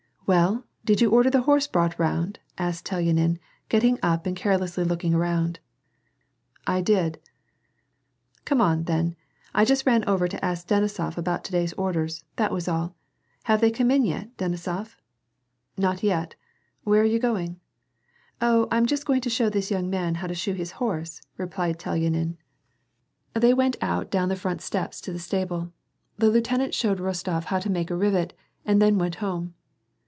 " Well, did you order the horse brought round ?" asked Tel yanin, getting up and carelessly looking around. " I did." '^ Come on, then. I just ran over to ask Denisof about to day's orders ; that was all. Have they come yet, Denisof ?"" Not yet. Where are you going ?"" Oh, 1 am just going to show this young man how to shoe his horse," replied Telyanin, WAR AND PEACE, 168 They went out down the front steps to the stable. The lieutenant showed Rostof how to make a rivet, and then went home.